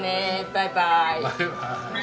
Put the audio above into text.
バイバイ。